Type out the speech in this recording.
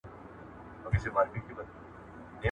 • چي نه مرو، لا به واورو.